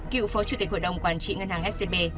cựu phố chủ tịch hội đồng quản trị ngân hàng scp